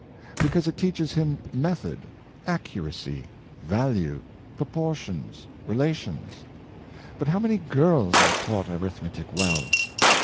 — Because it teaches him method, accuracy, value, proportions, relations. But how many girls are taught arithmetic well?